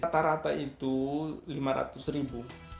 rata rata itu lima ratus ribu